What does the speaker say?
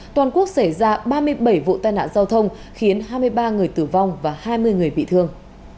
toàn quốc xảy ra ba mươi bảy vụ tai nạn giao thông khiến hai mươi ba người tử vong và hai mươi người bị thương